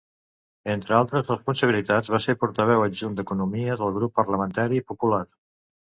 Entre altres responsabilitats, va ser portaveu adjunt d'Economia del Grup Parlamentari Popular.